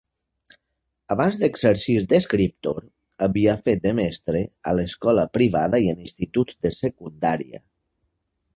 Abans d'exercir d'escriptor, havia fet de mestre a l'escola privada i en instituts de secundària.